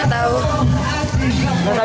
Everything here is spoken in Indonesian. nggak sadar ya